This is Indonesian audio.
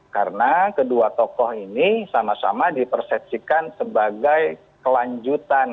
karena kedua tokoh ini sama sama di persepsikan sebagai kelanjutan